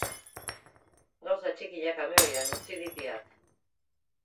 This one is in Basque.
Gauza txikiak kamioian utzi ditiat.